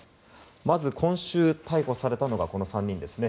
まず今週、逮捕されたのがこの３人ですね。